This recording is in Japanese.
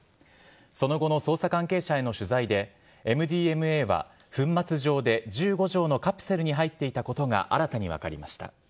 その後の捜査関係者への取材で、ＭＤＭＡは粉末状で１５錠のカプセルに入っていたことが新たに分かりました。